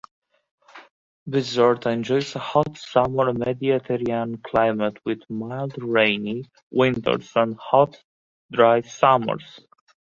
Bizerte enjoys a hot-summer Mediterranean climate, with mild rainy winters and hot dry summers.